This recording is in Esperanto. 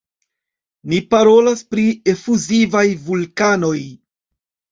Ni parolas pri efuzivaj vulkanoj.